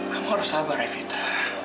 kamu harus sabar evita